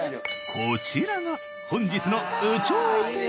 こちらが本日の有頂天